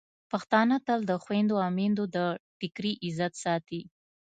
پښتانه تل د خویندو او میندو د ټکري عزت ساتي.